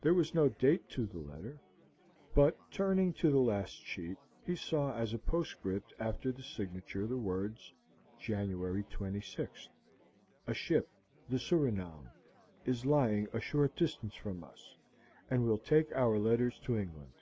There was no date to the letter, but, turning to the last sheet, he saw as a postscript after the signature the words, "January 26th. A ship, the Surinam, is lying a short distance from us, and will take our letters to England."